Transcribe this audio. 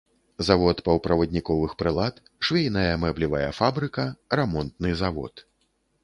Завод паўправадніковых прылад, швейная, мэблевая фабрыка, рамонтны завод.